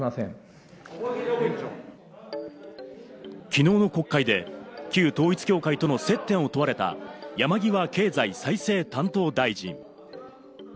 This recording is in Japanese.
昨日の国会で旧統一教会との接点を問われた、山際経済再生担当大臣。